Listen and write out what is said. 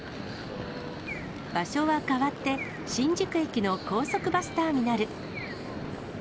場所は変わって、新宿駅の高速バスターミナル。